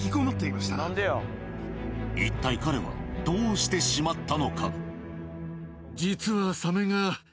一体彼はどうしてしまったのか？